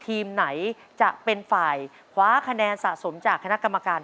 แต่ซ่ามหาสมุทรนะครับยังไม่ได้คะแนนจากคณะกรรมการเลย